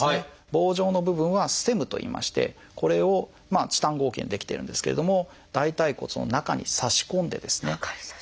棒状の部分は「ステム」といいましてこれをチタン合金で出来てるんですけれども大腿骨の中に差し込んでですね